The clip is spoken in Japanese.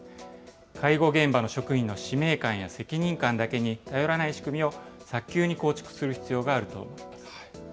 介護現場の職員の使命感や責任感だけに頼らない仕組みを早急に構築する必要があると思います。